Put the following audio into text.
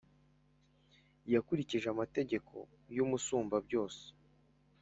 Yakurikije amategeko y’Umusumbabyose,